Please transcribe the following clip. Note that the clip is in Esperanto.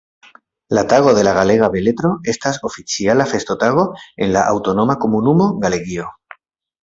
La Tago de la Galega Beletro estas oficiala festotago en la aŭtonoma komunumo Galegio.